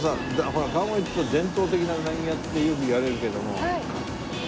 ほら川越っていうと伝統的なうなぎ屋ってよくいわれるけども。